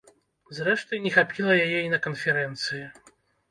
Зрэшты, не хапіла яе і на канферэнцыі.